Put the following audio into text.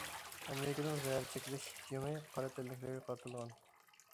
ئامېرىكىنىڭ زەھەر چەكلەش جېڭى قارا تەنلىكلەرگە قارىتىلغان.